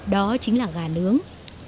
đó chính là gà nướng